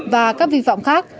và các vi phạm khác